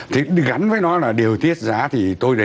thì gắn với nó là điều tiết giá thì tôi đề xuất